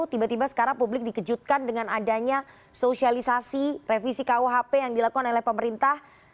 tiba tiba sekarang publik dikejutkan dengan adanya sosialisasi revisi kuhp yang dilakukan oleh pemerintah